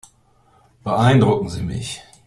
Beeindrucken Sie mich.